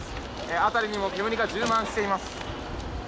辺りにも煙が充満しています。